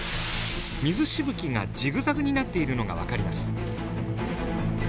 水しぶきがジグザグになっているのが分かります。